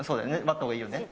待った方がいいよね。